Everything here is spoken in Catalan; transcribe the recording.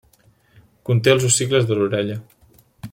Conté els ossicles de l'orella.